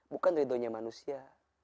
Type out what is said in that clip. bukan ridhonya manusia